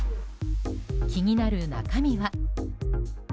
気になる中身は。